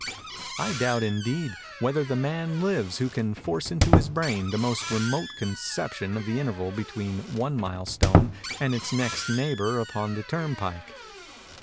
I doubt, indeed, whether the man lives who can force into his brain the most remote conception of the interval between one milestone and its next neighbor upon the turnpike.